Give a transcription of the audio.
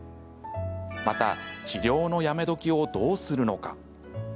また、治療のやめ時をどうするのか。